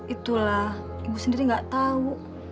itulah ibu sendiri gak tau